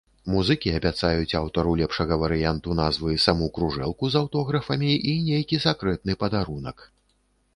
Музыкі абяцаюць аўтару лепшага варыянту назвы саму кружэлку з аўтографамі і нейкі сакрэтны падарунак.